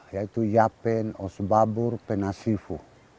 yaitu yapen osbabur penasifu